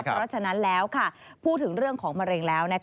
เพราะฉะนั้นแล้วพูดถึงเรื่องของมะเร็งแล้ว